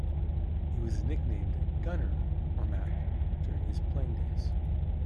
He was nicknamed "Gunner" or "Mac" during his playing days.